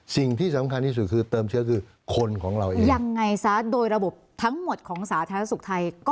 สิ่งที่สำคัญที่สุดคือเติมเชื้อคือคนของเราเองยังไงซะโดยระบบทั้งหมดของสาธารณสุขไทยก็